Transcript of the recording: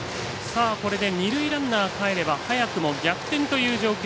二塁ランナーかえれば早くも逆転という状況